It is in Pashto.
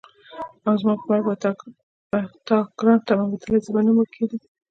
که زما مرګ په تا ګران تمامېدلی زه به نه مړه کېدم.